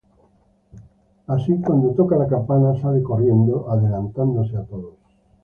Así, cuando toca la campana, sale corriendo adelantándose a todos.